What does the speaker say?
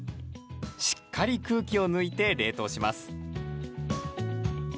しっかり空気を抜いて冷凍します。